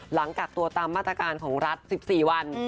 หลังกักตัวตามมาตรการของรัฐ๑๔วัน